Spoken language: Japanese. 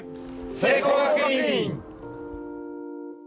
聖光学院！